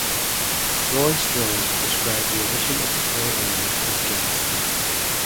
Roy Strong described the addition of the play area as "ghastly".